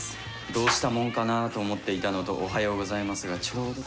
「どうしたもんかなぁ」と思っていたのと「おはようございます」がちょうど。